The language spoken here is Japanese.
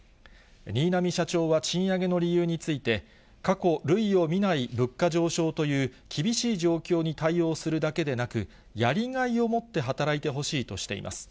新浪社長は賃上げの理由について過去類を見ない物価上昇という厳しい状況に対応するだけでなく、やりがいを持って働いてほしいとしています。